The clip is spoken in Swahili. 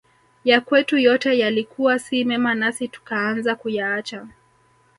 Yakwetu yote yalikuwa si mema nasi tukaanza kuyaacha